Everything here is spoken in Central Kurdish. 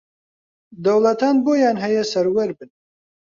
دەوڵەتان بۆیان ھەیە سەروەر بن